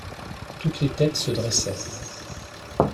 Toutes les têtes se dressèrent.